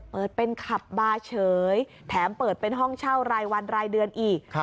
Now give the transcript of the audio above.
เปิดเป็นขับบาร์เฉยแถมเปิดเป็นห้องเช่ารายวันรายเดือนอีก